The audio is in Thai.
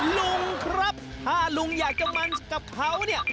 ลุงครับถ้าลุงอยากจะมันกับเขาเนี่ย